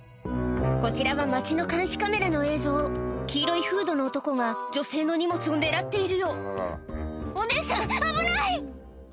こちらは町の監視カメラの映像黄色いフードの男が女性の荷物を狙っているようお姉さん危ない！